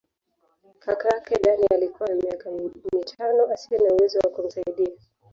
Kaka yake Dani alikuwa na miaka mitano asiye na uwezo wa kumsaidia.